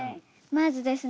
まずですね